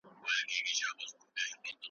د مړونو تر مابین سلا هنر وي `